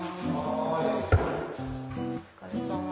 お疲れさま。